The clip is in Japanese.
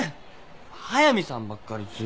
速見さんばっかりずるい。